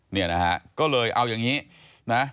เนี่ยนะฮะก็เลยเอาอย่างนี้นะ